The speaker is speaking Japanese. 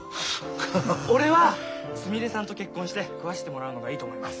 俺はすみれさんと結婚して食わしてもらうのがいいと思います。